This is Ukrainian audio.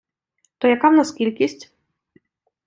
То яка в нас кількість?